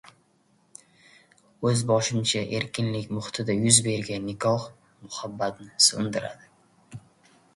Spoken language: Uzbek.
O‘zboshimcha erkinlik muhitida yuz bergan nikoh muhabbatni so‘ndiradi.